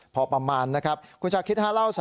พอประมาณนะครับคุณศักดิ์คิดถ้าเล่า